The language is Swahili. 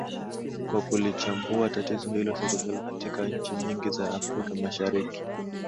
kwa kulichambua tatizo hilo serikali katika nchi nyingi za afrika mashariki